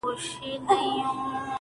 هغه بدل دی لکه غږ چي مات بنگړی نه کوي!